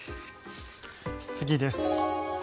次です。